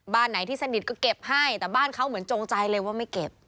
ไหนที่สนิทก็เก็บให้แต่บ้านเขาเหมือนจงใจเลยว่าไม่เก็บ